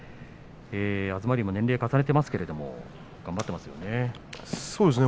東龍も年齢を重ねていますが頑張ってますね。